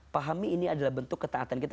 pahami ini adalah bentuk ketaatan kita